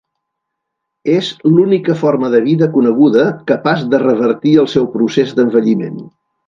És l'única forma de vida coneguda capaç de revertir el seu procés d'envelliment.